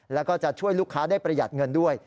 แล้วก็จะช่วยลูกค้าได้ประหยัดเงินด้วย